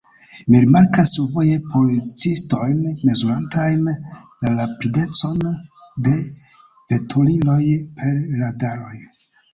Mi rimarkis survoje policistojn mezurantajn la rapidecon de veturiloj per radaroj.